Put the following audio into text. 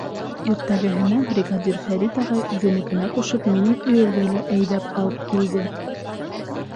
Иртәгеһенә бригадир Фәрит ағай үҙенекенә ҡушып минең өйөрҙө лә әйҙәп алып килде.